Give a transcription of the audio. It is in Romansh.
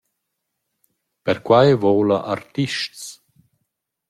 Per quai voula artists!